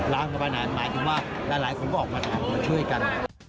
ล้ามก็ไปหน่อยหมายถึงว่าหลายคนก็ออกมาช่วยกัน